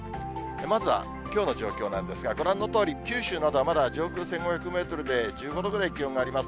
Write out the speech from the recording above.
まずはきょうの状況なんですが、ご覧のとおり、九州などはまだ上空１５００メートルで１５度くらい気温があります。